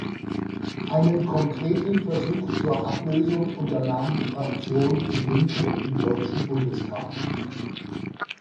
Einen konkreten Versuch zur Ablösung unternahm die Fraktion Die Linke im Deutschen Bundestag.